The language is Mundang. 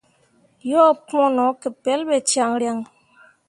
Yo pũũ no ke pelɓe caŋryaŋ.